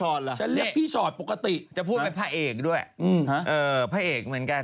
ฉันเรียกพี่ชอตปกติจะพูดเป็นพระเอกด้วยพระเอกเหมือนกัน